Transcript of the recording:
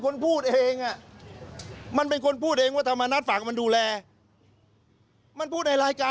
ก่อนตอนนี้คุณชุวิตมีข้อมูลนี้ไหมคะ